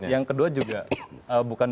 yang kedua juga bukan